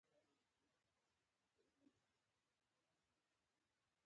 د جعفر بن ابي طالب قبر هم مې ولید.